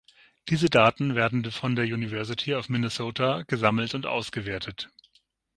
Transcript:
Diese Daten werden von der University of Minnesota gesammelt und ausgewertet.